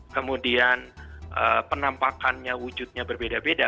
kemudian penampakannya wujudnya berbeda beda